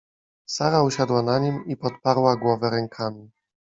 Sara usiadła na nim i podparła głowę rękami.